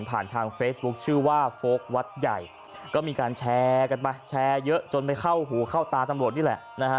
ทางเฟซบุ๊คชื่อว่าโฟลกวัดใหญ่ก็มีการแชร์กันไปแชร์เยอะจนไปเข้าหูเข้าตาตำรวจนี่แหละนะฮะ